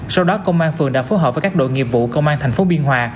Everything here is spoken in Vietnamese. sau đó công an phường đã phối hợp với các đội nghiệp vụ công an thành phố biên hòa